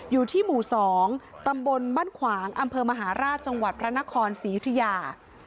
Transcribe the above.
อยู่ที่หมู่๒ตำบลบ้านขวางอำเภอมหาราชจังหวัดพระนครศรียุธยา